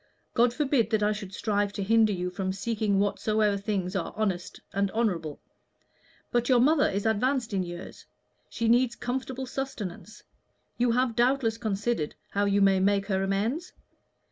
God forbid that I should strive to hinder you from seeking whatsoever things are honest and honorable. But your mother is advanced in years; she needs comfortable sustenance; you have doubtless considered how you may make her amends?